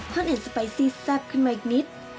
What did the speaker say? ห้อนแอ่นสไปซี่แซ่บขึ้นมาอีกนิด